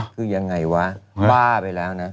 คือยังไงวะบ้าไปแล้วนะ